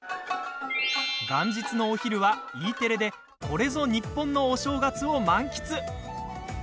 元日のお昼はＥテレでこれぞ日本のお正月を満喫。